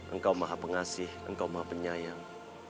engkau maha pengasih engkau maha penyayang